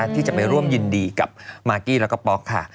ที่จะไปร่วมยินดีกับมากกี้แล้วก็ป๊อกค่ะ